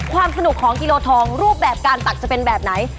ความสนุกของกิโลทองรูปแบบการตักจะเป็นแบบไหน